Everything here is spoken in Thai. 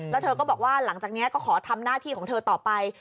แล้วเธอก็บอกว่าหลังจากนี้ก็ขอทำหน้าที่ของเธอต่อไป